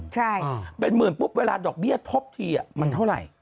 ใช่เป็นหมื่นปุ๊บเวลาดอกเบี้ยทบทีมันเท่าไหร่